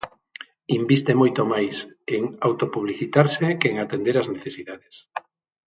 Inviste moito máis en autopublicitarse que en atender as necesidades.